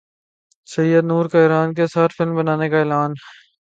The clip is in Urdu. سید نور کا ایران کے ساتھ فلم بنانے کا اعلان